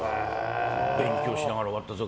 勉強しながら終わったぞ